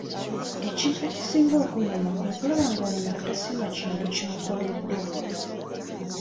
Ekintu ekisinga okunnuma kwe kulaba ng'omuntu tasiima kintu kimukoleddwa.